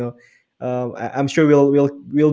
kita akan berhubungan dengan anda